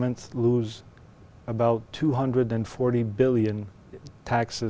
tất cả các phương tiện